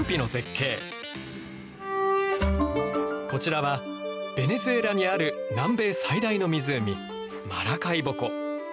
こちらはベネズエラにある南米最大の湖マラカイボ湖。